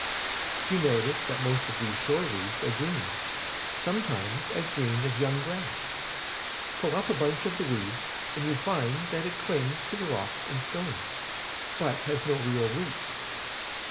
You notice that most of these shore weeds are green, sometimes as green as young grass. Pull up a bunch of the weed, and you find that it clings to the rocks and stones, but has no real roots.